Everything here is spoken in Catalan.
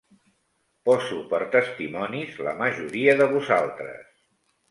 Poso per testimonis la majoria de vosaltres.